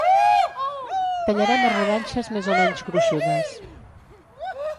Tallarem a rodanxes més o menys gruixudes